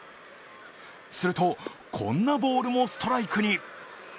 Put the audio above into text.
すると、こんなボールもストライクに。